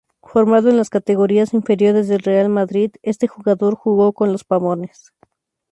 Formado en las categorías inferiores del Real Madrid, este jugador jugo con los Pavones.